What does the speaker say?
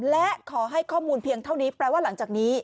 และขอให้ข้อมูลเพียงเท่านี้แปลว่าหลังจากนี้